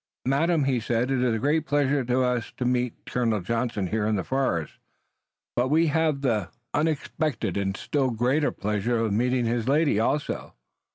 "Madam," he said, "it is a great pleasure to us to meet Colonel Johnson here in the forest, but we have the unexpected and still greater pleasure of meeting his lady also."